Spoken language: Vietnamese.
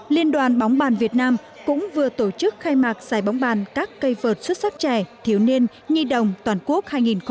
liên đoàn bóng bàn việt nam cũng vừa tổ chức khai mạc giải bóng bàn các cây vợt xuất sắc trẻ thiếu niên nhi đồng toàn quốc hai nghìn một mươi chín